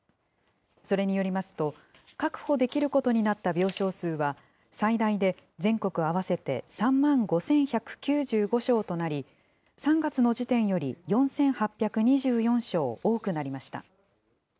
それによりますと、確保できることになった病床数は、最大で全国合わせて３万５１９５床となり、３月の時点より４８２４床多くなりました。